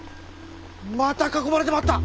また囲まれてまった！